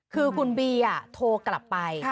คือคุณบีโทรกลับไป